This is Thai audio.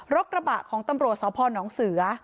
รกระบะของตำรวจสพนท์น้องเสือ